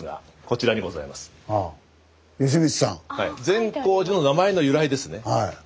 善光寺の名前の由来ですね。